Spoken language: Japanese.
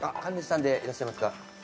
神主さんでいらっしゃいますか？